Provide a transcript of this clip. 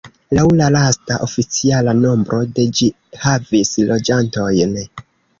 Laŭ la lasta oficiala nombro de ĝi havis loĝantojn.